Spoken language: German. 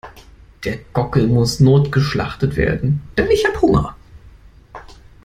Der Gockel muss notgeschlachtet werden, denn ich habe Hunger.